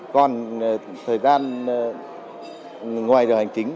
còn thời gian ngoài giờ hành chính